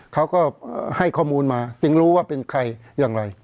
เขาก็ให้ข้อมูลมาจึงรู้ว่าเป็นใครอย่างไร